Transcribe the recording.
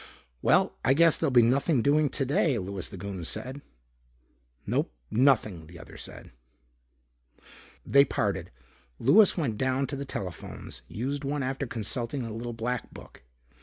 "Well, I guess there'll be nothing doing today," Louis the Goon said. "Nope, nothing," the other said. They parted. Louis went down to the telephones, used one after consulting a little black book.